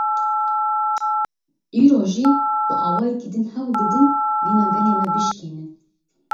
Îro jî bi awayekî din hewl didin vîna gelê me bişkînin.